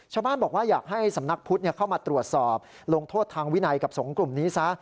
ชาวบ้านบอกว่าอยากให้สำนักพุทธเข้ามาตรวจสอบลงโทษทางวินัยกับสองกลุ่มนี้ซะ